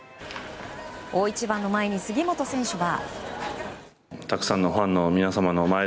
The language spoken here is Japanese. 大一番の前に杉本選手は。